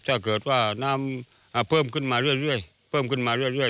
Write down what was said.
ถ้าเกิดว่าน้ำอ่าเพิ่มขึ้นมาเรื่อยเรื่อยเพิ่มขึ้นมาเรื่อยเรื่อย